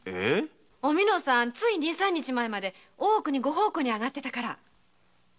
おみのさんつい二三日前まで大奥にご奉公にあがっていたから。